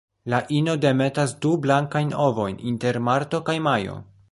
La ino demetas du blankajn ovojn inter marto kaj majo.